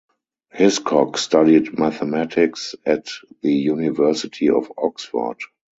Hiscock studied mathematics at the University of Oxford.